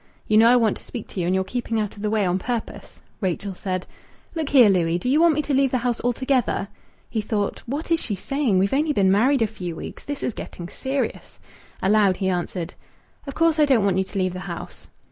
"You know I want to speak to you, and you're keeping out of the way on purpose." Rachel said "Look here, Louis! Do you want me to leave the house altogether?" He thought "What is she saying? We've only been married a few weeks. This is getting serious." Aloud he answered "Of course I don't want you to leave the house."